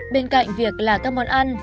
bên cạnh việc là các món ăn